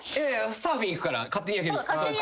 サーフィン行くから勝手に焼ける。